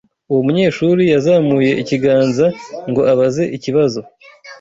Uwo munyeshuri yazamuye ikiganza ngo abaze ikibazo.